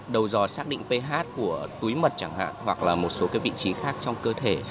đầu dò xác định ph của túi mật chẳng hạn hoặc là một số vị trí khác trong cơ thể